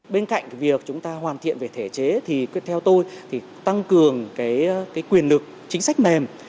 bên cạnh việc chúng ta hoàn thiện về thể chế thì theo tôi thì tăng cường quyền lực chính sách mềm